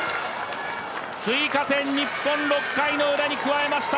追加点、日本６回のウラに加えました！